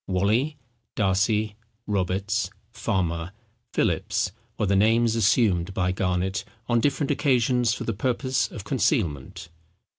Wally, Darcy, Roberts, Farmer, Philips, were the names assumed by Garnet on different occasions for the purpose of concealment.